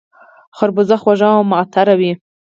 خربوزه خوږه او معطره وي